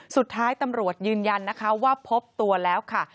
สุดท้ายตำรวจยืนยันนะคะว่าพบตัวแล้วค่ะ